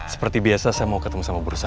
seperti biasa saya mau ketemu sama bursa